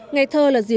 ngày thơ là gì